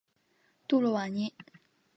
若杜瓦涅。